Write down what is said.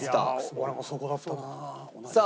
俺もそこだったなあ。